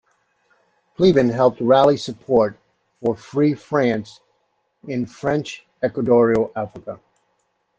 Pleven helped rally support for Free France in French Equatorial Africa.